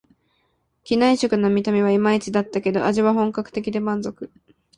機内食の見た目はいまいちだったけど、味は本格的で満足